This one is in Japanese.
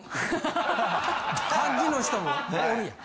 感じの人もおるやん。